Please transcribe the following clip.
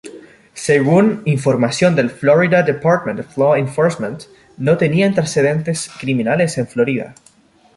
Según información del Florida Department of Law Enforcement, no tenía antecedentes criminales en Florida.